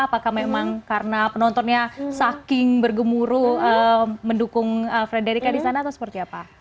apakah memang karena penontonnya saking bergemuruh mendukung frederica di sana atau seperti apa